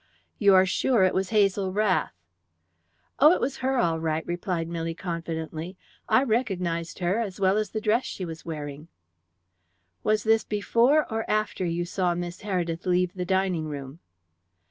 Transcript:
"You are sure it was Hazel Rath?" "Oh, it was her all right," replied Milly confidently. "I recognized her, as well as the dress she was wearing." "Was this before or after you saw Miss Heredith leave the dining room?"